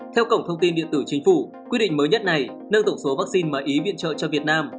theo cổng thông tin điện tử chính phủ quyết định mới nhất này nâng tổng số vaccine mà ý viện trợ cho việt nam